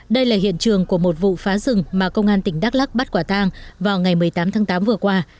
đây là hiện trường của một vụ phá rừng mà công an tỉnh đắk lắc bắt quả tang vào ngày một mươi tám tháng tám vừa qua